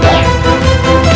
jangan lupa untuk berlangganan